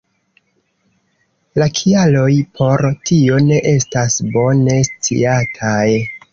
La kialoj por tio ne estas bone sciataj.